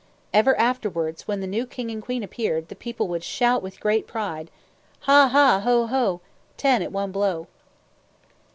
Ever afterwards, when the new king and queen appeared, the people would shout with great pride, "Ha, ha! Ho, ho! Ten at one blow."